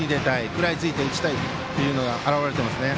食らいついて打ちたいというのが表れていますよね。